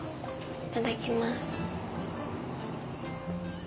いただきます。